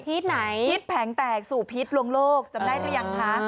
ไหนพีชแผงแตกสู่พีชลวงโลกจำได้หรือยังคะ